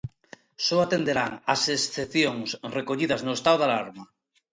Só atenderán as excepcións recollidas no estado de alarma.